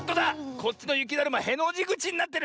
こっちのゆきだるまへのじぐちになってる！